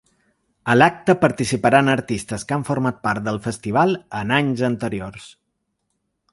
A l’acte participaran artistes que han format part del festival en anys anteriors.